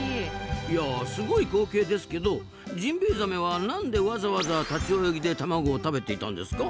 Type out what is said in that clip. いやすごい光景ですけどジンベエザメは何でわざわざ立ち泳ぎで卵を食べていたんですか？